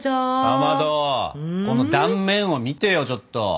かまどこの断面を見てよちょっと！